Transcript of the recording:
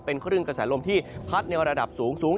คลื่นกระแสลมที่พัดในระดับสูง